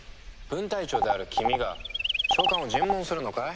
分隊長である君が長官を尋問するのかい？